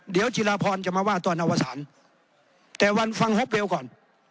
เดี๋ยวจิราพรจะมาว่าตอนอวสารแต่วันฟังฮอปเร็วก่อน